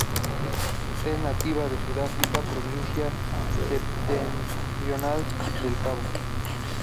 Es nativa de Sudáfrica, Provincia Septentrional del Cabo.